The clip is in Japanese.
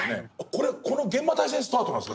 これこの「幻魔大戦」スタートなんですか？